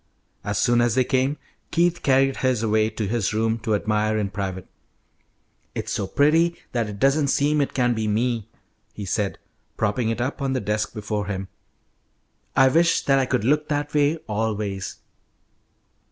As soon as they came, Keith carried his away to his room to admire in private. "It is so pretty that it doesn't seem it can be me," he said, propping it up on the desk before him. "I wish that I could look that way always."